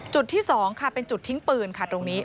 จุดที่๒ค่ะเป็นจุดทิ้งปืนค่ะตรงนี้